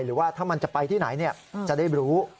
หรือว่าถ้ามันจะไปที่ไหนจะได้รู้